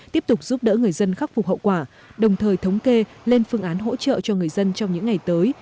tiếp tục giúp đỡ người dân khắc phục hậu quả đồng thời thống kê lên phương án hỗ trợ cho người dân trong những ngày tới